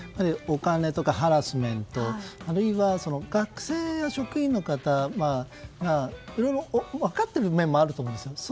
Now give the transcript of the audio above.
お金とかハラスメントあるいは学生や職員の方はいろいろ分かっている面もあると思うんですね。